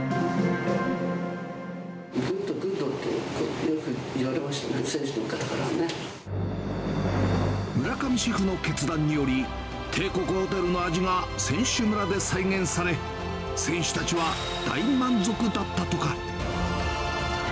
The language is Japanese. グッド、グッドってよく言わ村上シェフの決断により、帝国ホテルの味が選手村で再現され、選手たちは大満足だったとか。